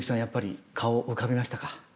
やっぱり顔浮かびましたか？